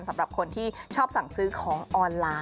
สำหรับคนที่ชอบสั่งซื้อของออนไลน์